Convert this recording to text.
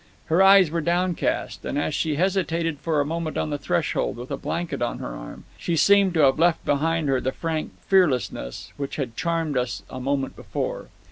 Her eyes were downcast, and as she hesitated for a moment on the threshold, with a blanket on her arm, she seemed to have left behind her the frank fearlessness which had charmed us a moment before.